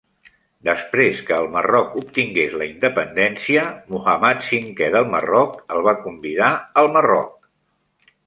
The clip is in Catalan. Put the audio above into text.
Després que el Marroc obtingués la independència, Muhàmmad V del Marroc el va convidar al Marroc.